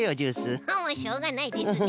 もうしょうがないですね。